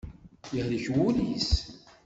Yehlek wul-is.